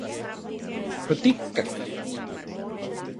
¿Otikkak...?